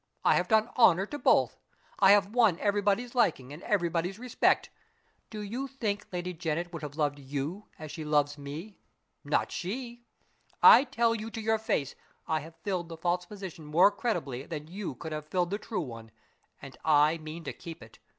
I have done honor to both. I have won everybody's liking and everybody's respect. Do you think Lady Janet would have loved you as she loves me? Not she! I tell you to your face I have filled the false position more creditably than you could have filled the true one, and I mean to keep it.